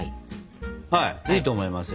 はいいいと思いますよ。